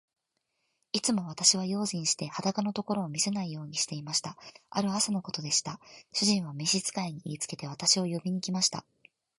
いつも私は用心して、裸のところを見せないようにしていました。ある朝のことでした。主人は召使に言いつけて、私を呼びに来ました。